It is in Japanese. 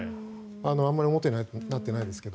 あまり表になってないですけど。